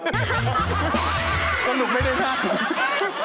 ก็หนูไม่ได้นั่ง